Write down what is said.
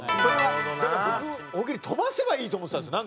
だから僕大喜利飛ばせばいいと思ってたんですよ